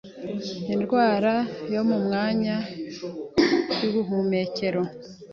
indwara yo mu myanya y'ubuhumekero